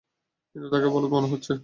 কিন্তু তাকে বলদ মনে হচ্ছে।